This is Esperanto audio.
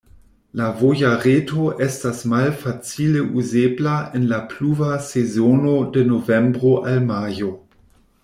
La voja reto estas malfacile uzebla en la pluva sezono de novembro al majo.